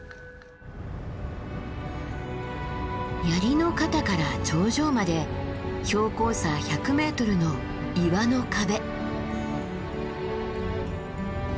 槍の肩から頂上まで標高差１００ｍの岩の壁。